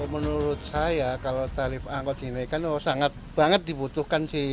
menurut saya kalau tarif angkot dinaikkan oh sangat banget dibutuhkan sih